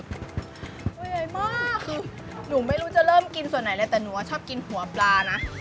ตัวใหญ่มากคือหนูไม่รู้จะเริ่มกินส่วนไหนเลยแต่หนูว่าชอบกินหัวปลานะ